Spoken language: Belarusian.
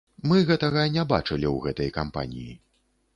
Мы гэтага не бачылі ў гэтай кампаніі.